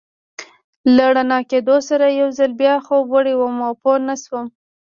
له رڼا کېدو سره یو ځل بیا خوب وړی وم او پوه نه شوم.